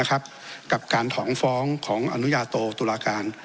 กับการถอนฟ้องของอนุญาโตตุลาการ